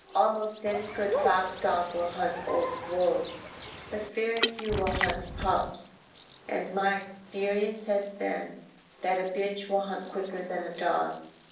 Almost any good fox dog will hunt old wolves, but very few will hunt pups, and my experience has been that a bitch will hunt quicker than a dog.